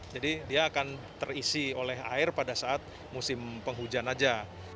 jadi dia akan terisi oleh air pada saat musim penghujan aja